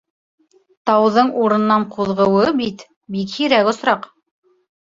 Тауҙың урынынан ҡуҙғыуы бит бик һирәк осраҡ.